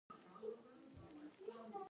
خبره له زړه ووځه، نه شې ورګرځېدلی.